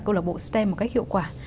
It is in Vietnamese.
câu lạc bộ stem một cách hiệu quả